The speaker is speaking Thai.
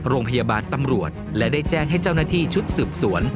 โรงพยาบาลตำรวจและได้แจ้งให้เจ้าหน้าที่ชุดสืบสวน